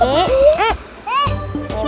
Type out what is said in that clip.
ini buat kamu